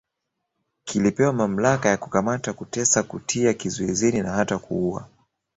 Kilipewa mamlaka ya kukamata kutesa kutia kizuizini na hata kuuwa